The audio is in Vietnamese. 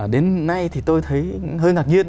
đến nay thì tôi thấy hơi ngạc nhiên